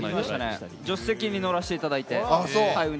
助手席に乗らせていただいて。